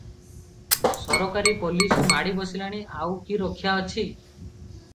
ସରକାରୀ ପୋଲିଶ ମାଡ଼ି ବସିଲାଣି, ଆଉ କି ରକ୍ଷା ଅଛି ।